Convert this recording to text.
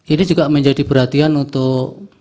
ini juga menjadi perhatian untuk